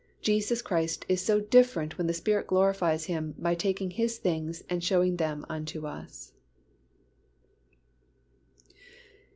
Jesus Christ is so different when the Spirit glorifies Him by taking of His things and showing them unto us.